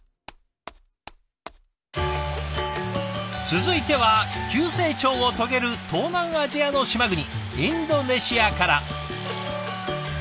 続いては急成長を遂げる東南アジアの島国インドネシアから。